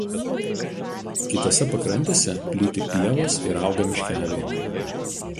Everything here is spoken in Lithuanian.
Kitose pakrantėse plyti pievos ir auga miškeliai.